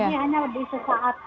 ini hanya di sesaat